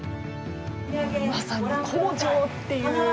まさに工場という。